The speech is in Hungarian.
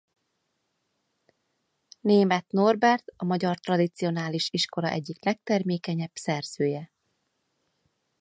Németh Norbert a magyar tradicionális iskola egyik legtermékenyebb szerzője.